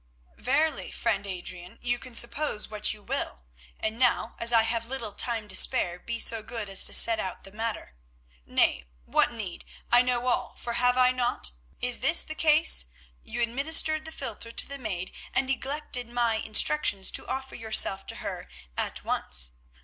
"Verily, friend Adrian, you can suppose what you will; and now, as I have little time to spare, be so good as to set out the matter. Nay, what need, I know all, for have I not—is this the case? You administered the philtre to the maid and neglected my instructions to offer yourself to her at once.